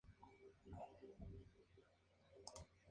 Ésta es la crónica de una mujer que fue única para tiempos difíciles.